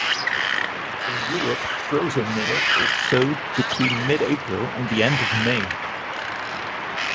In Europe proso millet is sowed between mid-April and the end of May.